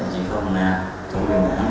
chỉ không thua hợp giấy